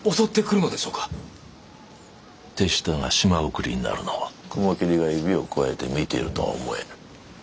手下が島送りになるのを雲霧が指をくわえて見ているとは思えぬ。